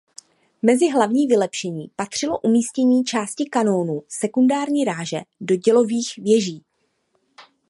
Mezi hlavní vylepšení patřilo umístění části kanónů sekundární ráže do dělovýchvěží.